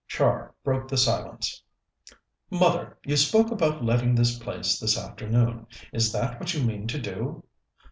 Char broke the silence. "Mother, you spoke about letting this place this afternoon. Is that what you mean to do?"